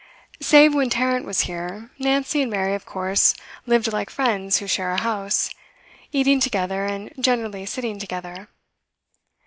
Save when Tarrant was here, Nancy and Mary of course lived like friends who share a house, eating together and generally sitting together.